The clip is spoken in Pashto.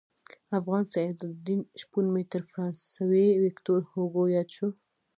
افغان سعدالدین شپون مې تر فرانسوي ویکتور هوګو ياد شو.